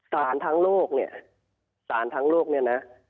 สารทางโลกนี่สารทางโลกนี่นะ